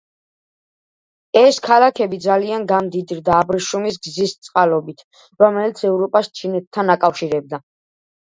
ეს ქალაქები ძალიან გამდიდრდა აბრეშუმის გზის წყალობით, რომელიც ევროპას ჩინეთთან აკავშირებდა.